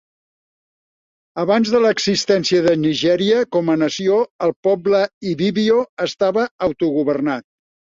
Abans de l'existència de Nigèria com a nació, el poble ibibio estava autogovernat.